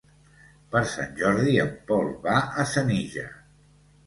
Per Sant Jordi en Pol va a Senija.